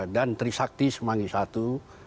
dan trisakti semangat satu